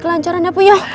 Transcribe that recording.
berdipati bu ya